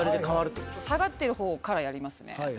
下がってる方からやりますね。